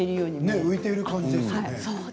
浮いている感じですよね。